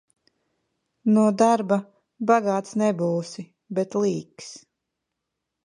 No darba bagāts nebūsi, bet līks.